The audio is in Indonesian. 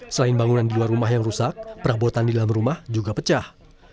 selain bangunan di luar rumah yang rusak perabotan di dalam rumah juga pecah